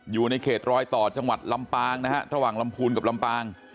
อยู่ในเขตรอยต่อจังหวัดลำปางนะฮะระหว่างลำพูนกับลำปาง